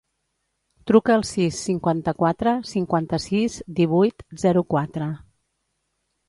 Truca al sis, cinquanta-quatre, cinquanta-sis, divuit, zero, quatre.